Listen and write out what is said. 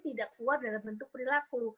tidak keluar dalam bentuk perilaku